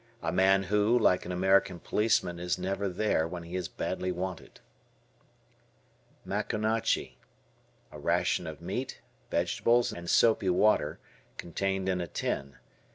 A man who, like an American policeman, is never there when he is badly wanted. Maconochie. A ration of meat, vegetables, and soapy water, contained in a tin.